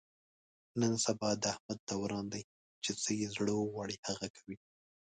نن سبا د احمد دوران دی، چې څه یې زړه و غواړي هغه کوي.